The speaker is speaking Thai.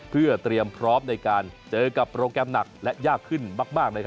เพื่อเตรียมพร้อมในการเจอกับโปรแกรมหนักและยากขึ้นมาก